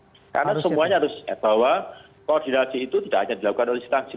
karena semuanya harus bahwa koordinasi itu tidak hanya dilakukan oleh instansi